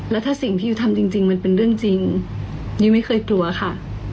แล้วถ้าสิ่งที่ยูทำจริงมันเป็นเรื่องจริงยุ้ยไม่เคยกลัวค่ะ